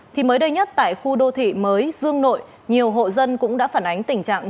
thì mới đây nhất tại khu đô thị mới dương nội nhiều hộ dân cũng đã phản ánh tình trạng